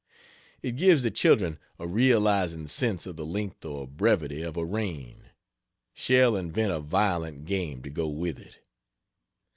It gives the children a realizing sense of the length or brevity of a reign. Shall invent a violent game to go with it.